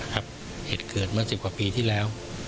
เหตุเกิดเมื่อ๑๐กว่าปีที่แล้ว